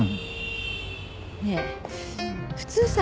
ねえ普通さ